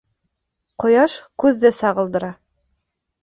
— Ҡояш күҙҙе сағылдыра.